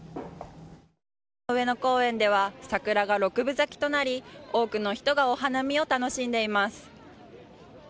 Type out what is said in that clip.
上野公園では、桜が６分咲きとなり、多くの人がお花見を楽しんでいます。